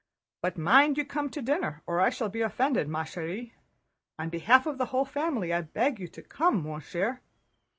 But mind you come to dinner or I shall be offended, ma chère! On behalf of the whole family I beg you to come, mon cher!"